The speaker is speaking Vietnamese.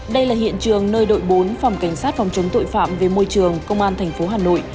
đây là hiện trường nơi đội bốn phòng cảnh sát phòng chống tội phạm về môi trường công an thành phố hà nội